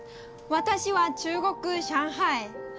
私は中国上海